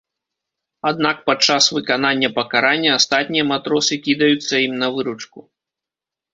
Аднак падчас выканання пакарання астатнія матросы кідаюцца ім на выручку.